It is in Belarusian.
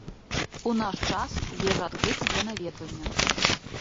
У наш час вежа адкрыта для наведвання.